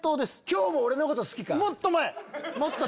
今日も俺のこと好きか？